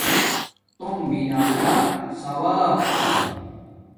توم بنانا صواپ چھا